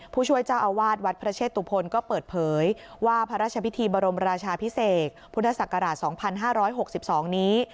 ผู้ช่วยเจ้าอาวาสวัดพระเชตุพลก็เปิดเผยว่าพระราชพิธีบรมราชาพิเศษพุทธศักราช๒๕๖๒นี้